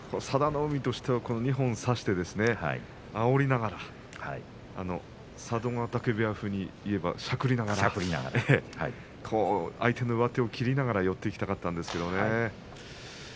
佐田の海としては二本差してあおりながら佐渡ヶ嶽部屋風にいうとしゃくりながら相手の上手を切りながら寄っていきたかったんですけれどもね